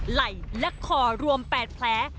ไหล่และคอรวม๘แผล